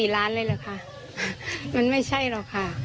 ล้านเลยเหรอคะมันไม่ใช่หรอกค่ะ